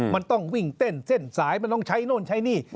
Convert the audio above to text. มันต้องวิ่งเต้นเส้นสายมันต้องใช้โน่นใช้หนี้